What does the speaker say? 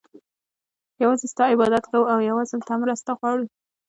يوازي ستا عبادت كوو او يوازي له تا مرسته غواړو